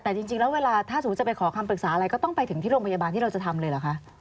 แต่จริงแล้วเวลาถ้าสมมุติจะไปขอคำปรึกษาอะไรก็ต้องไปถึงที่โรงพยาบาลที่เราจะทำเลยเหรอคะ